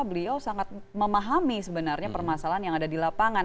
beliau sangat memahami sebenarnya permasalahan yang ada di lapangan